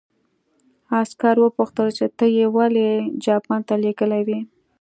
عسکر وپوښتل چې ته یې ولې جاپان ته لېږلی وې